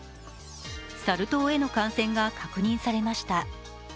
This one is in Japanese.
サル痘への感染が確認されました。